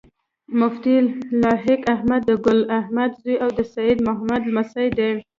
مفتي لائق احمد د ګل احمد زوي او د سيد محمد لمسی دی